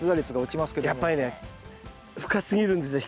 やっぱりね深すぎるんですね。